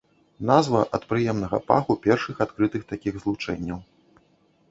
Назва ад прыемнага паху першых адкрытых такіх злучэнняў.